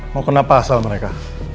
mau kenapa asal mereka